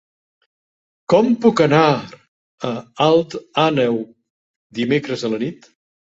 Com puc anar a Alt Àneu dimecres a la nit?